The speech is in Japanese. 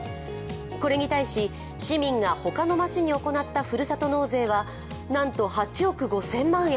これに対し市民が他の街に行ったふるさと納税はなんと８億５０００万円。